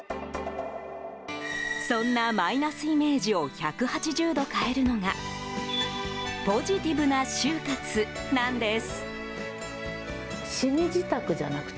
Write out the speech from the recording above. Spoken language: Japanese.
そんなマイナスイメージを１８０度変えるのがポジティブな終活なんです。